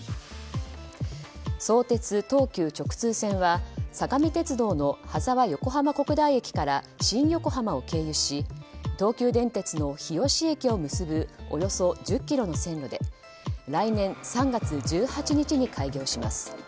相鉄・東急直通線は相模鉄道の羽沢横浜国大駅から新横浜を経由し東急電鉄の日吉駅を結ぶおよそ１０ｋｍの線路で来年３月１８日に開業します。